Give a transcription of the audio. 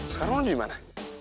sekarang lu dimana